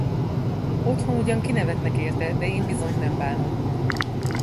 Otthon ugyan kinevetnek érte, de én bizony nem bánom.